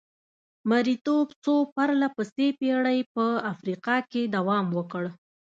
مریتوب څو پرله پسې پېړۍ په افریقا کې دوام وکړ.